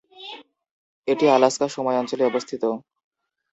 এটি আলাস্কা সময় অঞ্চলে অবস্থিত।